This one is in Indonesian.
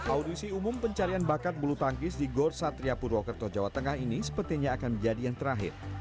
audisi umum pencarian bakat bulu tangkis di gor satria purwokerto jawa tengah ini sepertinya akan menjadi yang terakhir